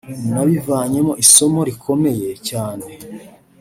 nabivanyemo isomo rikomeye cyane